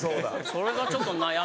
それがちょっと悩み。